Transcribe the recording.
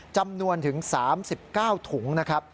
จำนวนถึง๓๙ถุง